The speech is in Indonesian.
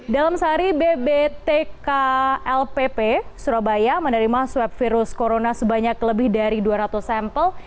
dalam sehari bbtklpp surabaya menerima swab virus corona sebanyak lebih dari dua ratus sampel